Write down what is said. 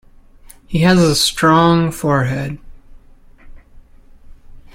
He has a strong forehead.